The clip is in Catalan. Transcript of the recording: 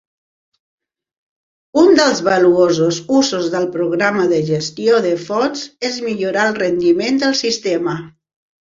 Un dels valuosos usos del programa de gestió de fonts és millorar el rendiment del sistema.